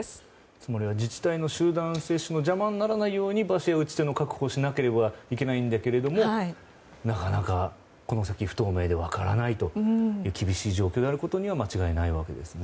つまり自治体の集団接種の邪魔にならないように場所や打ち手の確保をしなければいけないけれどもなかなか、この先不透明で分からないという厳しい状況であることには間違いないわけですね。